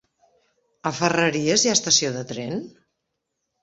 A Ferreries hi ha estació de tren?